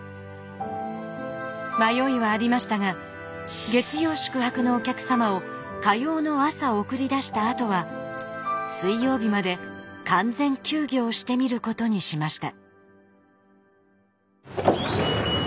迷いはありましたが月曜宿泊のお客様を火曜の朝送り出したあとは水曜日まで完全休業してみることにしました。